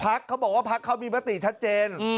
พลักษมณ์เขาบอกว่าพลักษมณ์เขามีปฏิชัดเจน